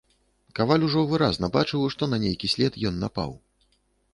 Каваль ужо выразна бачыў, што на нейкі след ён напаў.